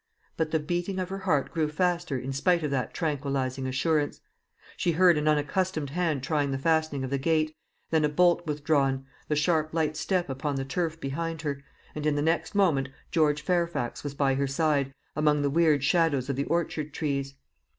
But the beating of her heart grew faster in spite of that tranquillizing assurance. She heard an unaccustomed hand trying the fastening of the gate, then a bolt withdrawn, the sharp light step upon the turf behind her, and in the next moment George Fairfax was by her side, among the weird shadows of the orchard trees.